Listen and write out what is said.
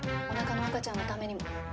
おなかの赤ちゃんのためにも。